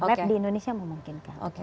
lab di indonesia memungkinkan